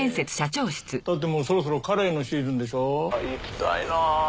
だってもうそろそろカレイのシーズンでしょ？